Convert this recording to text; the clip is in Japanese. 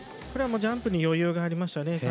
ジャンプに余裕がありましたね。